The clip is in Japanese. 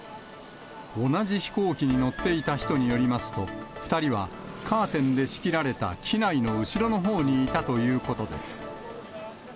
同じ飛行機に乗っていた人によりますと、２人はカーテンで仕切られた機内の後ろのほうにいたということです。